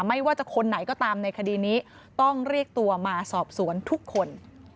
ไม่ว่าจะคนไหนก็ตามในคดีนี้ต้องเรียกตัวมาสอบสวนทุกคน